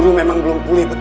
guru memang belum pulih betul